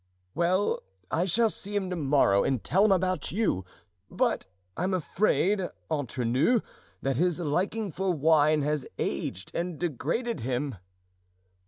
"Well, I shall see him to morrow and tell him about you; but I'm afraid, entre nous, that his liking for wine has aged and degraded him."